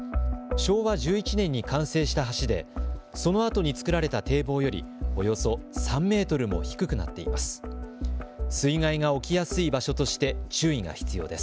昭和１１年に完成した橋でそのあとに作られた堤防よりおよそ３メートルも低くなっています。